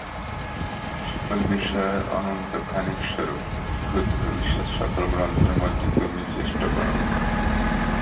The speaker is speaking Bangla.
তুমি সকল বিষয়ের অনন্তখনিস্বরূপ, ভূত-ভবিষ্যৎ সকল গ্রন্থের মধ্যে তুমিই শ্রেষ্ঠ গ্রন্থ।